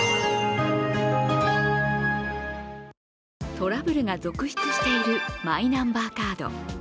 トラブルが続出しているマイナンバーカード。